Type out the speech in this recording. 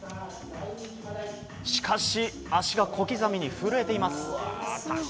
しかし足が小刻みに震えています。